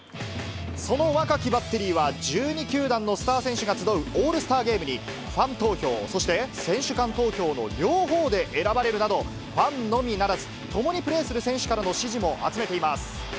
その若きバッテリーは、１２球団のスター選手が集うオールスターゲームに、ファン投票、そして選手間投票の両方で選ばれるなど、ファンのみならず、ともにプレーする選手からの支持も集めています。